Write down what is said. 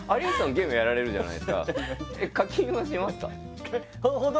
ゲームやられるじゃないですかやります